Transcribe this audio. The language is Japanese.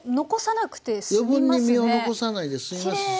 余分に身を残さないで済みますし。